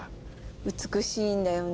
美しいんだよね